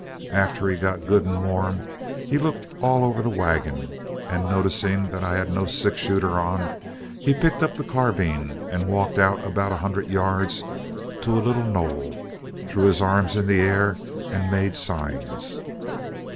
After he got good and warm, he looked all over the wagon, and noticing that I had no sixshooter on, he picked up the carbine and walked out about a hundred yards to a little knoll, threw his arms in the air, and made signs.